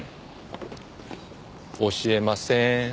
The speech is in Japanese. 教えません。